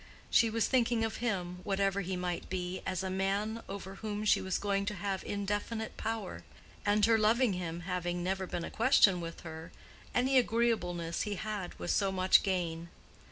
She was thinking of him, whatever he might be, as a man over whom she was going to have indefinite power; and her loving him having never been a question with her, any agreeableness he had was so much gain.